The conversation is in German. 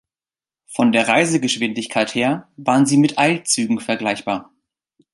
Von der Reisegeschwindigkeit her waren sie mit Eilzügen vergleichbar.